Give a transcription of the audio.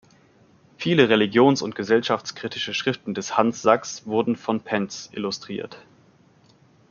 Viele religions- und gesellschaftskritische Schriften des Hans Sachs wurden von Pencz illustriert.